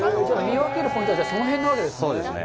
見分けるポイントはその辺なわけですね。